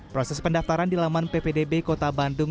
proses pendaftaran dilaman ppdb kota bandung